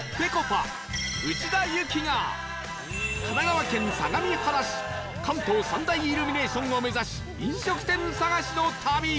神奈川県相模原市関東三大イルミネーションを目指し飲食店探しの旅